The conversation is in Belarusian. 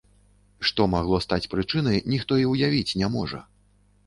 Што магло стаць прычынай, ніхто і ўявіць не можа.